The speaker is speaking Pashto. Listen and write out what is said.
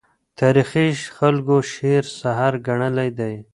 تاریخي خلکو شعر سحر ګڼلی دی.